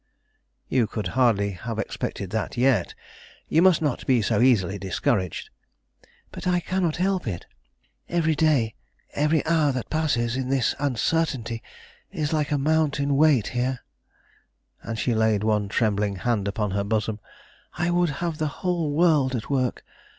"You could hardly have expected that yet. You must not be so easily discouraged." "But I cannot help it; every day, every hour that passes in this uncertainty, is like a mountain weight here"; and she laid one trembling hand upon her bosom. "I would have the whole world at work.